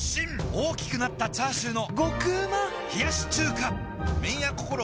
大きくなったチャーシューの麺屋こころ